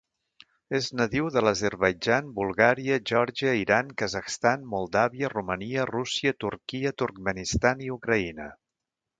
És nadiu de l'Azerbaidjan, Bulgària, Geòrgia, Iran, Kazakhstan, Moldàvia, Romania, Rússia, Turquia, Turkmenistan i Ucraïna.